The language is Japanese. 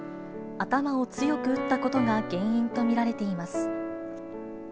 頭を強く打ったことが原因と見られています。